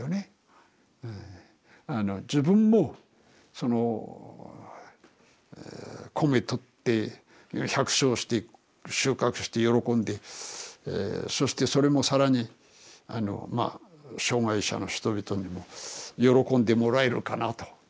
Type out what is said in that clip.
自分もその米とって百姓して収穫して喜んでそしてそれも更にあのまあ障害者の人々にも喜んでもらえるかなと。